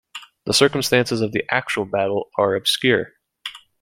The circumstances of the actual battle are obscure.